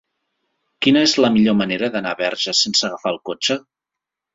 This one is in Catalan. Quina és la millor manera d'anar a Verges sense agafar el cotxe?